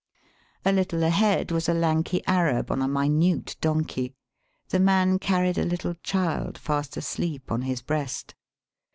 A little ahead was a lanky Arab on a minute donkey. The man carried a Uttle child, fast asleep, on his breast.